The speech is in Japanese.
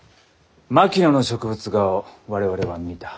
槙野の植物画を我々は見た。